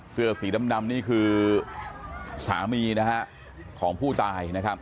เสื้อสีดำนี่คือสามีของผู้ตายนะครับ